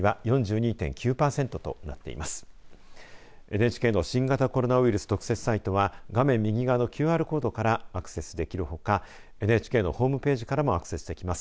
ＮＨＫの新型コロナウイルス特設サイトは画面右側のＱＲコードからアクセスできるほかＮＨＫのホームページからもアクセスできます。